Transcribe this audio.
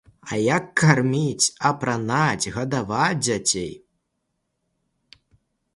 А як карміць, апранаць, гадаваць дзяцей?